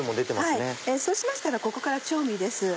そうしましたらここから調味です。